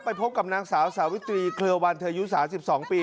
ไปพบกับนางสาวสาววิตรีเคลือวันเธอยูสาวสิบสองปี